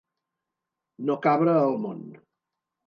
No cabre al món.